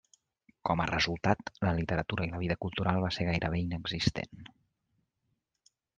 Com a resultat, la literatura i la vida cultural va ser gairebé inexistent.